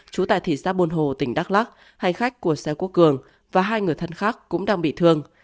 trú tại thị xã buôn hồ tỉnh đắk lắc hành khách của xe quốc cường và hai người thân khác cũng đang bị thương